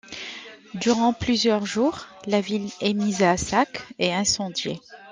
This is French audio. Durant plusieurs jours, la ville est mise à sac et incendiée.